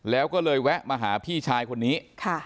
แล้วก็เลยแวะมาหาพี่ชายคนนี้